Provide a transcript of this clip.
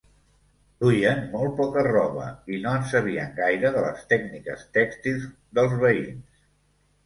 Duien molt poca roba, i no en sabien gaire de les tècniques tèxtils dels veïns.